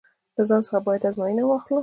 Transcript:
له ځان څخه باید ازموینه واخلو.